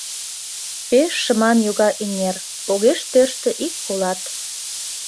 Пеш шыман йога эҥер, огеш тӧрштӧ ик колат.